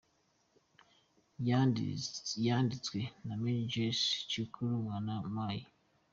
Yanditswe na Me Joseph Cikuru Mwanamaye